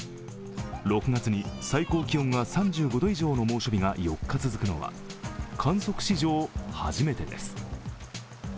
６月に最高気温が３５度以上の猛暑日が４日続くのは観測史上初めてです。